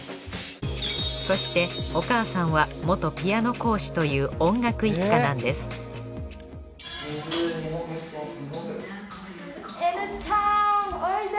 そしてお母さんは元ピアノ講師という音楽一家なんですおいで！